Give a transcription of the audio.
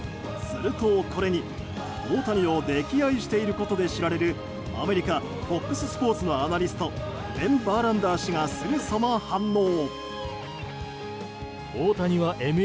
するとこれに、大谷を溺愛していることで知られるアメリカＦＯＸスポーツのアナリストベン・バーランダー氏がすぐさま反応。